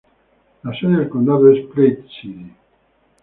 La sede del condado es Platte City.